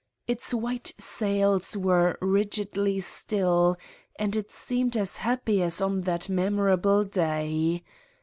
Its white sails were rigidly still and it seemed as happy as on that memorable day.